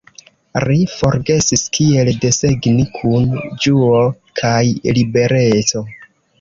Ri forgesis kiel desegni kun ĝuo kaj libereco.